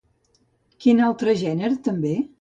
Quin altre gènere també?